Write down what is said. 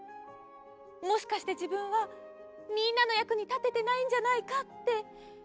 もしかしてじぶんはみんなのやくにたててないんじゃないかって。